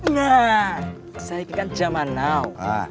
nah saya ikan jamanau